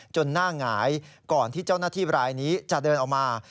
หน้าหงายก่อนที่เจ้าหน้าที่รายนี้จะเดินออกมา